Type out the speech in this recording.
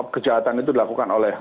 kejahatan itu dilakukan oleh